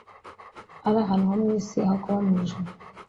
ari ahantu ho mu isi aho kuba mu ijuru